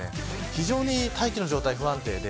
非常に大気の状態が不安定で